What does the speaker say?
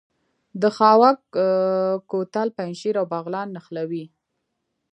د خاوک کوتل پنجشیر او بغلان نښلوي